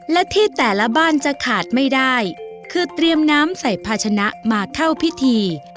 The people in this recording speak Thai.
และที่แต่ละบ้านจะขาดไม่ได้คือเตรียมน้ำใส่ภาชนะมาเข้าพิธี